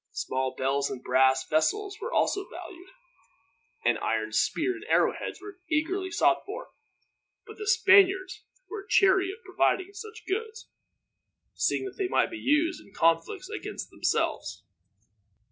Small bells and brass vessels were also valued, and iron spear and arrow heads were eagerly sought for; but the Spaniards were chary of providing such goods, seeing that they might be used in conflicts against themselves.